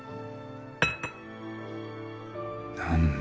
何だ？